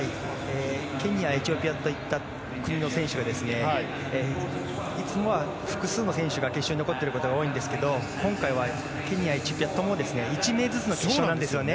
ケニアエチオピアといった選手がいつもは複数の選手が決勝に残っていることが多いんですが今回は、ケニア、エチオピア１名ずつの決勝なんですよね。